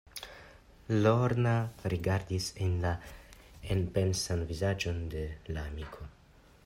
Lorna rigardis en la enpensan vizaĝon de la amiko.